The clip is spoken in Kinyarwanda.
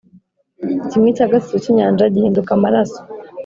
kimwe cya gatatu cy’inyanja gihinduka amaraso,